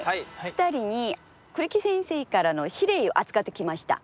２人に栗木先生からの指令を預かってきました。